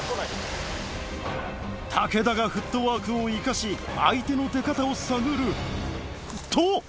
武田がフットワークを生かし相手の出方を探ると！